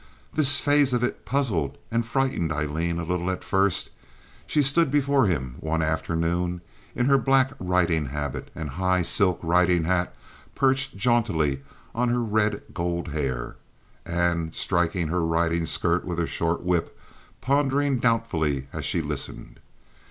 This phase of it puzzled and frightened Aileen a little at first. She stood before him one afternoon in her black riding habit and high silk riding hat perched jauntily on her red gold hair; and striking her riding skirt with her short whip, pondering doubtfully as she listened.